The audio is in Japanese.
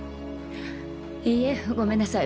いいえ、ごめんなさい。